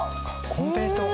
コンペイトウか。